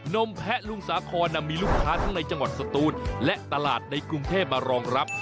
มแพะลุงสาคอนมีลูกค้าทั้งในจังหวัดสตูนและตลาดในกรุงเทพมารองรับ